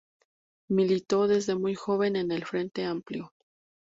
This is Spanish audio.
Militó desde muy joven en el Frente Amplio.